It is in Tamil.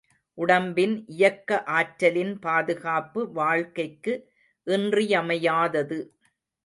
உடம்பின் இயக்க ஆற்றலின் பாதுகாப்பு வாழ்க்கைக்கு இன்றியமையாதது.